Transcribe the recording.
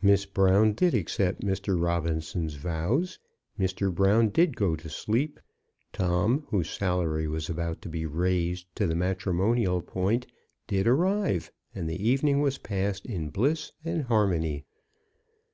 Miss Brown did accept Mr. Robinson's vows; Mr. Brown did go to sleep; Tom, whose salary was about to be raised to the matrimonial point, did arrive; and the evening was passed in bliss and harmony.